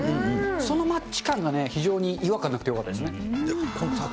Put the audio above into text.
そのマッチ感がね、非常に違和感なくてよかったですね。